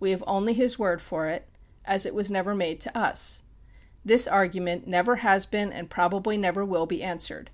We have only his word for it, as it was never made to us. This argument never has been and probably never will be answered.